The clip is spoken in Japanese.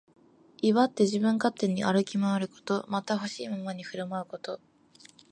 威張って自分勝手に歩き回ること。また、ほしいままに振る舞うこと。